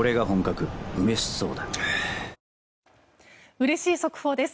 うれしい速報です。